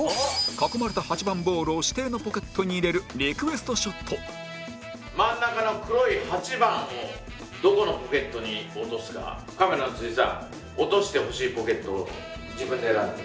囲まれた８番ボールを指定のポケットに入れる真ん中の黒い８番をどこのポケットに落とすかカメラの辻さん落としてほしいポケットを自分で選んでください。